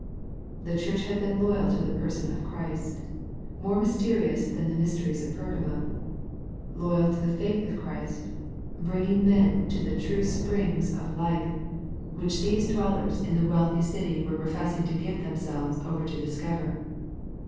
The church had been loyal to the Person of Christ, more mysterious than the mysteries of Pergamum, loyal to the faith of Christ, bringing men to the true springs of life, which these dwellers in the wealthy city The Pergamum Letter 93 were professing to give themselves over to dis cover.